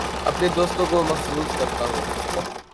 اپنے دوستوں کو محظوظ کرتا ہوں